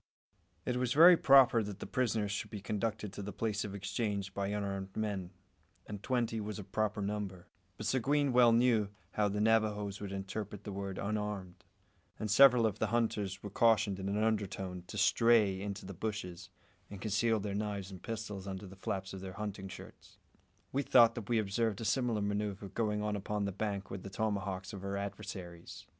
It was very proper that the prisoners should be conducted to the place of exchange by unarmed men, and twenty was a proper number; but Seguin well knew how the Navajoes would interpret the word "unarmed"; and several of the hunters were cautioned in an undertone to "stray" into the bushes, and conceal their knives and pistols under the flaps of their hunting shirts. We thought that we observed a similar manoeuvre going on upon the opposite bank with the tomahawks of our adversaries.